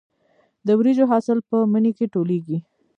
د وریجو حاصل په مني کې ټولېږي.